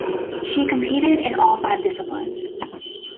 She competed in all five disciplines.